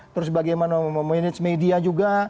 terus bagaimana memanage media juga